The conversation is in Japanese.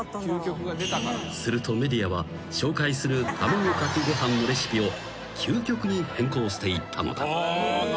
［するとメディアは紹介する卵かけご飯のレシピを究極に変更していったのだ］